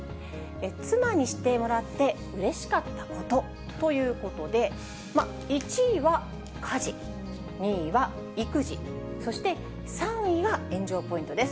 妻にしてもらってうれしかったことということで、１位は家事、２位は育児、そして３位が炎上ポイントです。